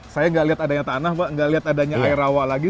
saya nggak lihat adanya tanah pak nggak lihat adanya air rawa lagi